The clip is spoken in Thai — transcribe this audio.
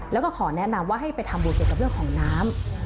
แล้วก็ขอแนะนำว่าให้ไปทำบุญเกี่ยวกับเรื่องของน้ำ